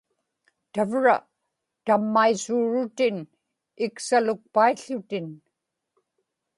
tavra tammaisuurutin iksalukpaił̣ł̣utin